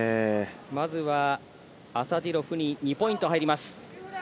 まずはアサディロフに２ポイント入ります。